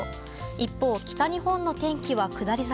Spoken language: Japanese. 一方、北日本の天気は下り坂。